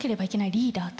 リーダーとして。